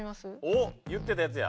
おっ言ってやつや。